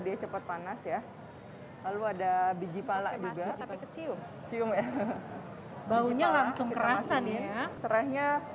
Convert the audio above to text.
dia cepat panas ya lalu ada biji pala juga kecium cium ya baunya langsung kerasan ya serahnya